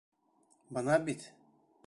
Бына бит...